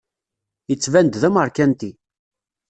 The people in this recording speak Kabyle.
Yettban-d d ameṛkanti.